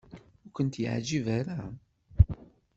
Ur kent-yeɛjib ara?